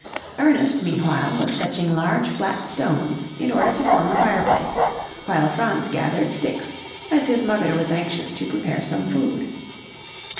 Ernest, meanwhile, was fetching large flat stones in order to form a fireplace, while Franz gathered sticks, as his mother was anxious to prepare some food.